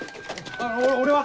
あの俺は？